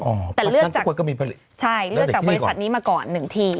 แต่เลือกจากบริษัทนี้มาก่อนหนึ่งที